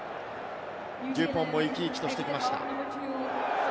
デュポンも生き生きとしてきました。